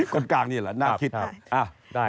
คนกลางนี่แหละน่าคิดครับ